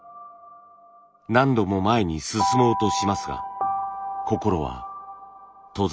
何度も前に進もうとしますが心は閉ざされたまま。